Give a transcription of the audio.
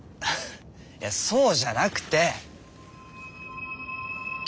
いやそうじゃなくて。